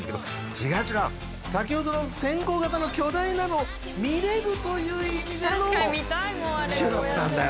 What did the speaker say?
違う違う先ほどの線香形の巨大なの見れるという意味でのチュロスなんだよ